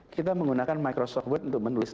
kita menggunakan microsoft word untuk menulis